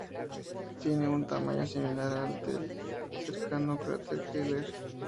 Tiene un tamaño similar al del cercano cráter Keeler.